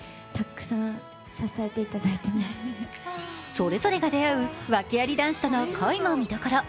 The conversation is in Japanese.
それぞれが出会う訳あり男子との恋も見どころ。